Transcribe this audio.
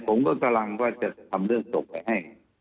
ผมก็กำลังทำเรื่องโปรดไปให้